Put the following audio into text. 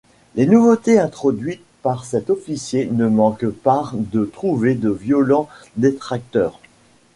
Les nouveautés introduites par cet officier ne manquent par de trouver de violents détracteurs.